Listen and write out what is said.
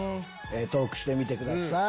トークしてみてください。